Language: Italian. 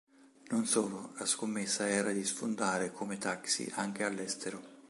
Non solo: la scommessa era di sfondare come taxi anche all'estero.